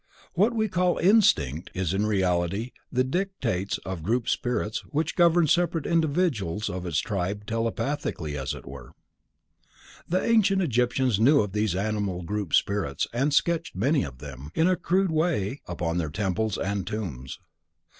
What we call "instinct," is in reality the dictates of group spirits which govern separate individuals of its tribe telepathically, as it were. The ancient Egyptians knew of these animal group spirits and sketched many of them, in a crude way, upon their temples and tombs.